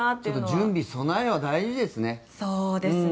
準備、備えは大事ですね。